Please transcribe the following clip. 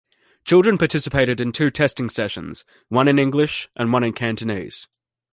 Children participated in two testing sessions, one in English and one in Cantonese.